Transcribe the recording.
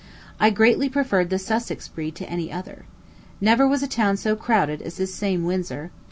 I greatly preferred the Sussex breed to any other. Never was a town so crowded as this same Windsor.